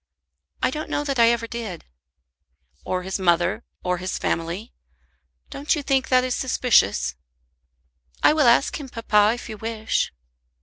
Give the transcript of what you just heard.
"I don't know that I ever did." "Or his mother, or his family? Don't you think that is suspicious?" "I will ask him, papa, if you wish."